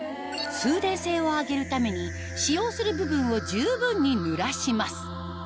通電性を上げるために使用する部分を十分に濡らします